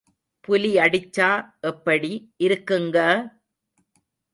புலி அடிச்சா எப்படி இருக்குங்க!